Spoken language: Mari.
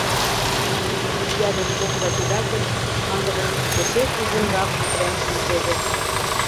Судья ден кок заседатель ындыжым эше кужунрак кутырен шинчеве.